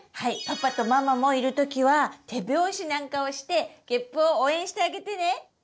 パパとママもいる時は手拍子なんかをしてげっぷを応援してあげてね！